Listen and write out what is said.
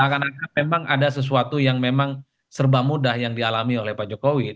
karena memang ada sesuatu yang memang serba mudah yang dialami oleh pak jokowi